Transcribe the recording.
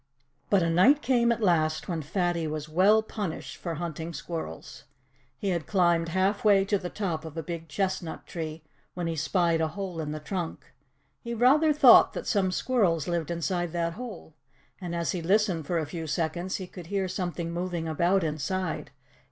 But a night came at last when Fatty was well punished for hunting squirrels. He had climbed half way to the top of a big chestnut tree, when he spied a hole in the trunk. He rather thought that some squirrels lived inside that hole. And as he listened for a few seconds he could hear something moving about inside.